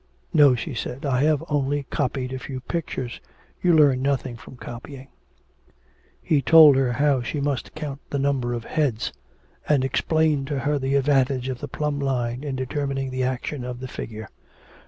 'No,' she said, 'I have only copied a few pictures, you learn nothing from copying.' He told her how she must count the number of heads, and explained to her the advantage of the plumb line in determining the action of the figure.